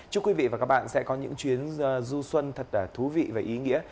chúc quý vị và các bạn sẽ có những chuyến du xuân thật thú vị và ý nghĩa